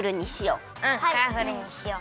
うんカラフルにしよう。